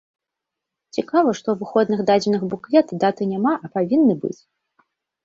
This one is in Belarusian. Цікава, што ў выходных дадзеных буклета даты няма, а павінны быць!